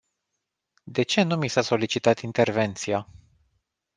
De ce nu mi s-a solicitat intervenția?